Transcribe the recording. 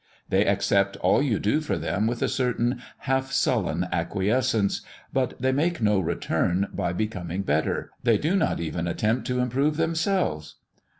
They accept all you do for them with a certain half sullen acquiescence, but they make no return by becoming better they do not even attempt to improve themselves.